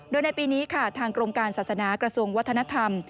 โดยในปีนี้ค่ะทางกรมการศาสนากระทรวงวัฒนธรรม